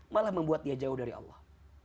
malah membuat dia jauh dari allah